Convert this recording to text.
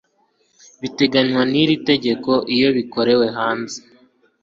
giteganywa n iri tegeko iyo gikorewe hanze